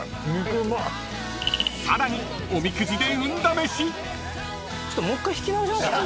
［さらにおみくじで運試し］